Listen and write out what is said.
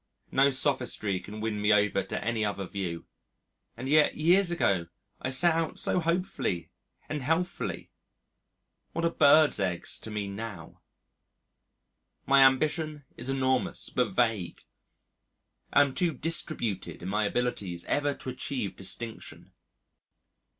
No sophistry can win me over to any other view. And yet years ago I set out so hopefully and healthfully what are birds' eggs to me now? My ambition is enormous but vague. I am too distributed in my abilities ever to achieve distinction.